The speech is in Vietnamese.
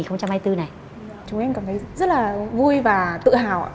chúng em cảm thấy rất là vui và tự hào